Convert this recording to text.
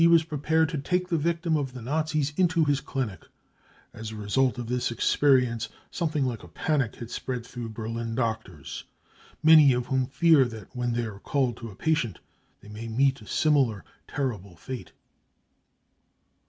T Pr f ared t0 take the victim °f the Nazis nto his clinic As a result of this experience something like a panic has spread through Berlin doctors, many of whom fear that when they are called to a patieS they may meet a similar terrible fate."